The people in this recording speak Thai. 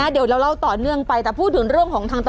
เดี๋ยวเราเล่าต่อเนืองไปแต่พูดเรื่องของ